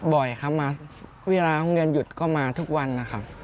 บ่อยครับมาเวลาโรงเรียนหยุดก็มาทุกวันนะครับ